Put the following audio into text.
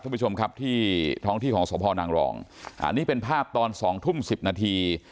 คุณผู้ชมครับที่ท้องที่ของสพนางรองอันนี้เป็นภาพตอนสองทุ่มสิบนาที